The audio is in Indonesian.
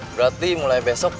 berarti mulai besok